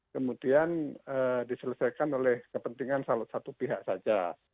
kemudian diselesaikan oleh kepentingan salah satu pihak saja